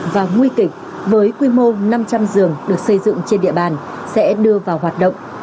và nguy kịch với quy mô năm trăm linh giường được xây dựng trên địa bàn sẽ đưa vào hoạt động